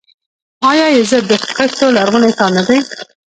آیا یزد د خښتو لرغونی ښار نه دی؟